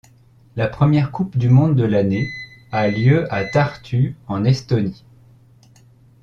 La première Coupe du monde de l'année a lieu à Tartu, en Estonie.